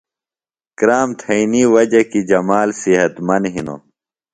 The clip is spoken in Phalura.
کرام تھئینی وجہ کیۡ جمال صحت مند ہِنوۡ۔